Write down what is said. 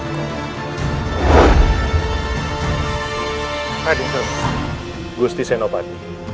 kedutuk gusti senopati